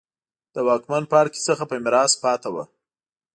له واکمن پاړکي څخه په میراث پاتې وو.